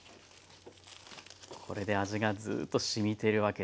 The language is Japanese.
これで味がずっとしみているわけですね。